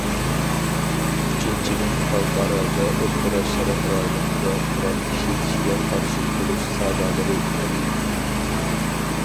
ئۈچىنچىدىن، خەلقئارا ۋە ئوتتۇرا شەرق رايونىدا قورال ئىشلىتىشكە قارشى تۇرۇش سادالىرى خېلى كۈچلۈك.